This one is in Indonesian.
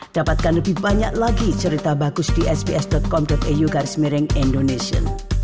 dapatkan lebih banyak lagi cerita bagus di sbs com au garis merenggak indonesia